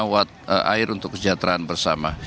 dan kita mendapat air untuk kesejahteraan bersama